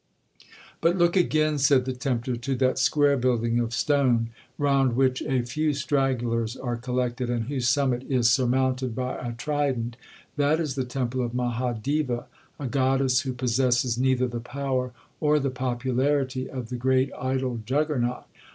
'But look again,' said the tempter, 'to that square building of stone, round which a few stragglers are collected, and whose summit is surmounted by a trident,—that is the temple of Maha deva, a goddess who possesses neither the power or the popularity of the great idol Juggernaut.